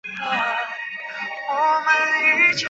包箨矢竹为禾本科青篱竹属下的一个种。